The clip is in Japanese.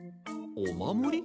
おまもり？